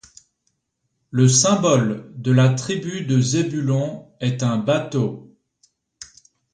Le symbole de la tribu de Zebulon est un bateau.